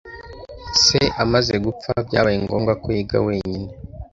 Se amaze gupfa, byabaye ngombwa ko yiga wenyine.